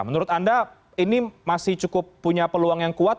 menurut anda ini masih cukup punya peluang yang kuat